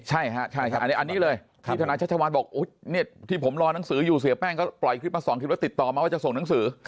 ใช่ครับอันนี้เลยที่ทนายชัชวานบอกที่ผมรอนังสืออยู่เสียแป้งก็ปล่อยคลิปมา๒คลิปว่าติดต่อมาว่าจะส่งหนังสือ